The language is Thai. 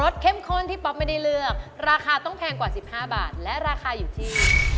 ต้องแพงกว่า๑๕บาทและราคาอยู่ที่